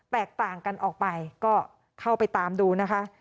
แตกต่างกันออกไปก็เข้าไปตามดูนะคะ